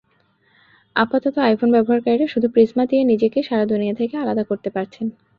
আপাতত আইফোন ব্যবহারকারীরা শুধু প্রিজমা দিয়ে নিজেকে সারা দুনিয়া থেকে আলাদা করতে পারছেন।